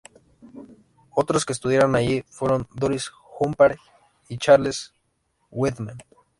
Otros que estudiaron allí fueron Doris Humphrey y Charles Weidman.